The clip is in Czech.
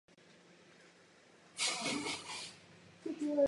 To je však popřením úsilí o zvýšení ochrany spotřebitele.